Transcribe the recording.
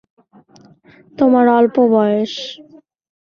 তোমার অল্প বয়স।